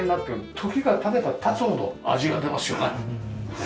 時が経てば経つほど味が出ますよね。